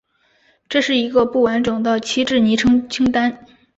这是一个不完整的旗帜昵称清单。